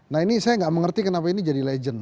nah ini saya nggak mengerti kenapa ini jadi legend